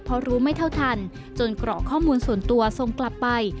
เพราะรู้ไม่เท่าทันจนกรอกข้อมูลส่วนตัวส่งกลับไป